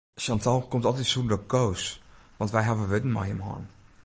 Chantal komt altyd sûnder Koos want wy hawwe wurden mei him hân.